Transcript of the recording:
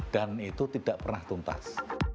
dan itu tidak pernah tuntas